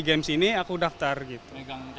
games ini aku daftar gitu